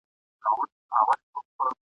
ور په زړه یې تش دېګدان د خپل ماښام سو !.